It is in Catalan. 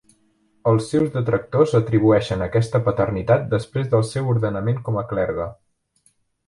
Els seus detractors atribueixen aquesta paternitat després del seu ordenament com a clergue.